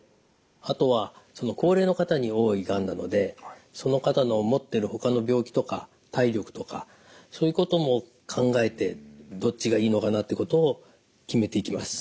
あとは高齢の方に多いがんなのでその方の持っているほかの病気とか体力とかそういうことも考えてどっちがいいのかなってことを決めていきます。